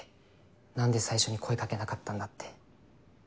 何で最初に声掛けなかったんだって。